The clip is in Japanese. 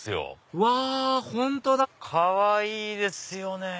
うわ本当だかわいいですよね。